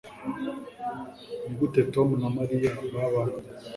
Nigute Tom na Mariya babanye